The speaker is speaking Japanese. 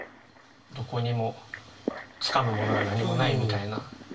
どこにもつかむものが何もないみたいな感じですかね？